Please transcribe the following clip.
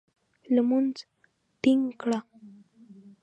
لمونځ ټینګ کړه !